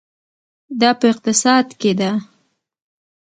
دا په اقتصاد کې ده.